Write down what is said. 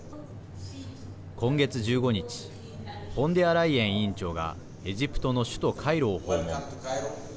今月１５日フォンデアライエン委員長がエジプトの首都カイロを訪問。